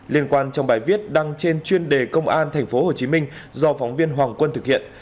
liên quan trong bài viết đăng trên chuyên đề công an thành phố hồ chí minh do phóng viên hoàng quân thực hiện